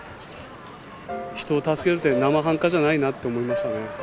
人を助けるって生半可じゃないなと思いましたね。